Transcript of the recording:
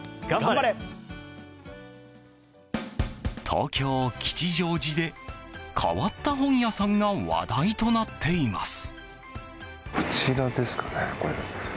東京・吉祥寺で変わった本屋さんが話題となっています。